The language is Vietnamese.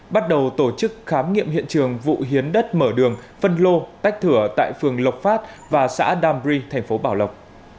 bắt đầu tổ chức khám nghiệm hiện trường vụ hiến đất mở đường phân lô tách thửa tại phường lộc phát và xã đam brie tp bảo lộc